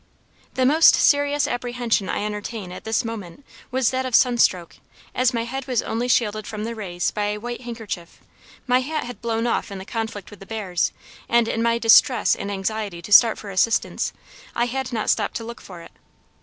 The most serious apprehension I entertained at this moment was that of sun stroke, as my head was only shielded from the rays by a white handkerchief; my hat had blown off in the conflict with the bears, and, in my distress and anxiety to start for assistance, I had not stopped to look for it.